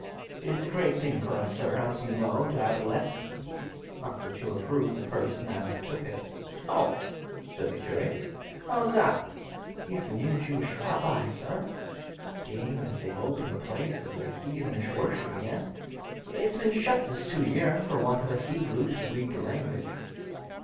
It's a great thing for us, sir, as you know, to 'ave it let, not that you'll approve the person as 'as took it.' 'Oh!' said the curate, 'how is that?' 'He's the new Jewish rabbi, sir, being as they've opened the place of their heathenish worship again. It's been shut this two year, for want of a Hebrew to read the language.'